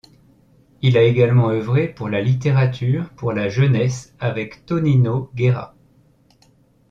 Il a également œuvré pour la littérature pour la jeunesse avec Tonino Guerra.